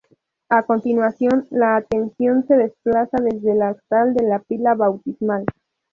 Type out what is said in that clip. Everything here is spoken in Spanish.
A continuación, la atención se desplaza desde el altar a la pila bautismal.